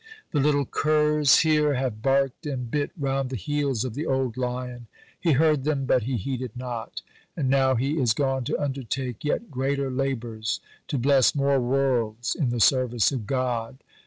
The little curs here have barked and bit round the heels of the old lion. He heard them but he heeded not. And now he is gone to undertake yet greater labours, to bless more worlds in the service of God.